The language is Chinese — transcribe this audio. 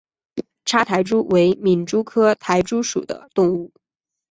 叉苔蛛为皿蛛科苔蛛属的动物。